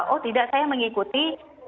oh tidak saya mengikuti